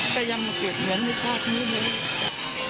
ก็ยังมาเก็บเหมือนมีภาพนี้เลย